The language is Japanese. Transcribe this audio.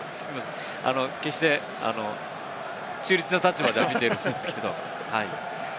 決して、中立の立場では見ているんですけれども。